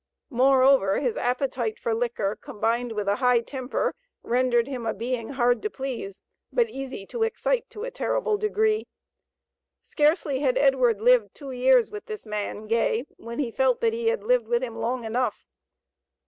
Moreover, his appetite for liquor, combined with a high temper, rendered him a being hard to please, but easy to excite to a terrible degree. Scarcely had Edward lived two years with this man (Gay) when he felt that he had lived with him long enough.